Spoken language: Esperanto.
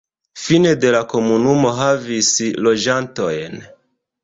Fine de la komunumo havis loĝantojn.